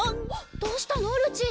どうしたのルチータ？